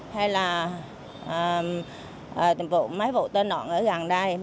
hay là mấy vụ tơ nọn ở gần đây